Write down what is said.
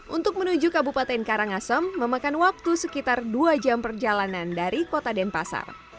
untuk menuju kabupaten karangasem memakan waktu sekitar dua jam perjalanan dari kota denpasar